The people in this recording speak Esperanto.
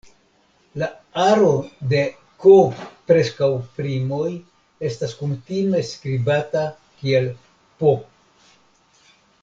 La aro de "k"-preskaŭ primoj estas kutime skribata kiel "P".